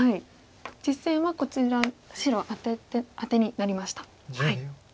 実戦はこちら白アテになりました。